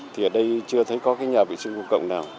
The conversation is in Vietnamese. thì ở đây chưa thấy có cái nhà vệ sinh công cộng nào